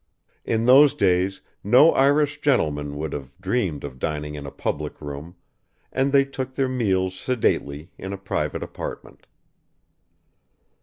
In those days no Irish gentleman would have dreamed of dining in a public room, and they took their meals sedately in a private apartment.